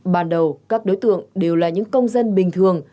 ban đầu các đối tượng đều là những công dân bình thường